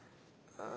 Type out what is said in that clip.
ああ。